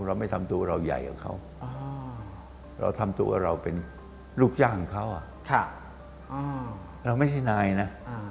เราไม่ทำตัวเราใหญ่กว่าเขาเราทำตัวเราเป็นลูกจ้างเขาเราไม่ใช่นายนะ